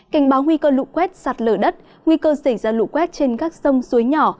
cảnh báo nguy cơ lũ quét sạt lở đất nguy cơ xảy ra lũ quét trên các sông suối nhỏ